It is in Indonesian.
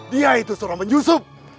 dia itu seorang penyusup